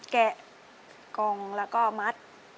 แกะกองแล้วก็มัด